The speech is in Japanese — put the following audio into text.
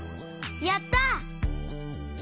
やった！